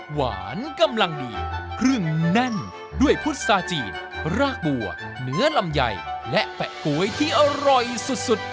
หวานกำลังดีครึ่งแน่นด้วยพุทธซาจีนรากบัวเนื้อลำใหญ่และแปะปุ๋ยที่อร่อยสุด